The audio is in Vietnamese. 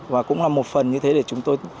và cũng là một phần như thế để chúng tôi